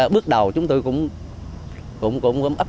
bước đầu chúng tôi cũng ấp